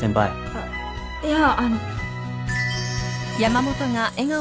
あっいやあの。